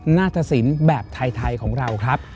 นาฏศิลป์แบบไทยของเราครับ